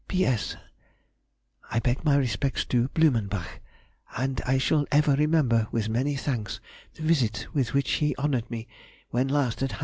P.S.—I beg my respects to ... Blumenbach, and I shall ever remember with many thanks the visit with which he honoured me when last at Hanover.